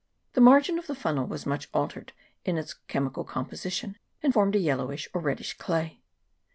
The margin of the funnel was much altered in its chemical composition, and formed a yellowish or reddish clay.